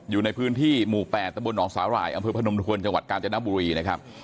อยู่ในพื้นที่หมู่๘ตะบนหนองสาหร่ายอำเภอพนมทวนจังหวัดกาญจนบุรีนะครับ